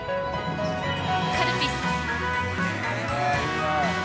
カルピス。